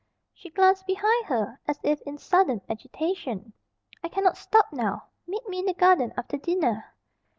She glanced behind her as if in sudden agitation. "I cannot stop now. Meet me in the garden after dinner."